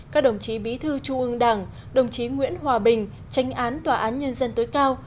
các đồng chí bí thư trung ương đảng đồng chí nguyễn hòa bình tránh án tòa án nhân dân tối cao